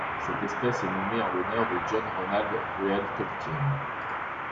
Cette espèce est nommée en l'honneur de John Ronald Reuel Tolkien.